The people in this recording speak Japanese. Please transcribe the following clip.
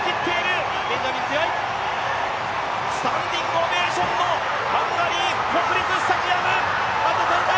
スタンディングオベーションのハンガリーの国立スタジアム。